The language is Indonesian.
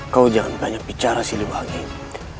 kau jangan banyak bicara sih lebah gini